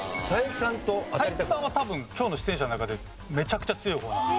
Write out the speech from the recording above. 才木さんは多分今日の出演者の中でめちゃくちゃ強い方なんで。